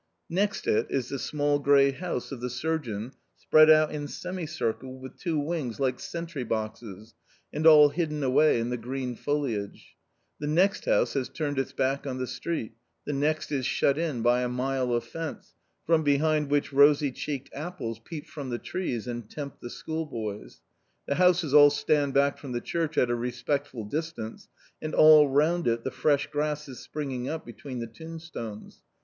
Next it, is the small gray house of the surgeon spread out in semicircle with two wings like sentry boxes, and all hidden away in the green foliage ; the next house has turned its back on the street, the next is shut in by a mile of fence, from behind which rosy cheeked apples peep from the trees and tempt the schoolboys. The houses all stand back from the church at a respectful distance, and all round it the fresh grass is springing up, between the tombstones.